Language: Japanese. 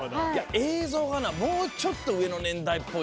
映像がもうちょっと上の年代っぽい。